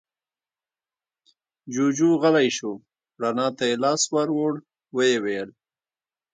جوجُو غلی شو، رڼا ته يې لاس ور ووړ، ويې ويل: